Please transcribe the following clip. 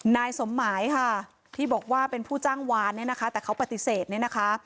นายสมหมายค่ะที่บอกว่าเป็นผู้จ้างวานเนี่ยนะคะแต่เขาปฏิเสธเนี่ยนะคะ